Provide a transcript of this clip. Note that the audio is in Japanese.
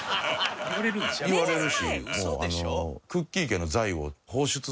言われるし。